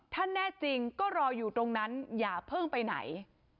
ถ้าแน่จริงก็รออยู่ตรงนั้นอย่าเพิ่งไปไหน